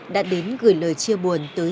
đã đến gửi lời chia buồn tới